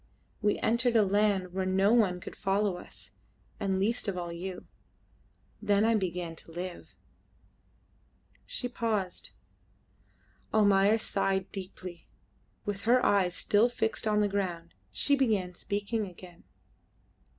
We entered a land where no one could follow us, and least of all you. Then I began to live." She paused. Almayer sighed deeply. With her eyes still fixed on the ground she began speaking again.